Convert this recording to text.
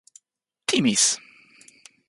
timis